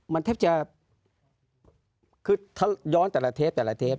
มันแทบจะคือเขาย้อนแต่ละเทปแต่ละเทป